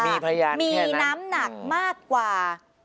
มีพยานแค่นั้นมีน้ำหนักมากกว่า